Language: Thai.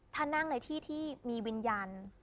ถ้านั่งในที่ที่มีวิญญาณ